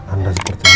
anda seperti ini